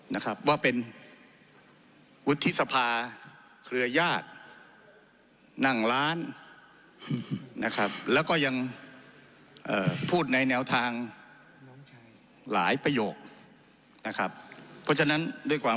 นะครับว่าเป็นวุฒิสภาเครือญาตินั่งร้านนะครับแล้วก็ยังเอ่อพูดในแนวทางหลายประโยคนะครับเพราะฉะนั้นด้วยความ